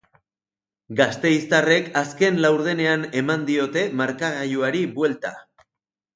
Gasteiztarrek azken laurdenean eman diote markagailuari buelta.